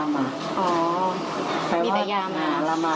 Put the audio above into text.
มีแต่ยามา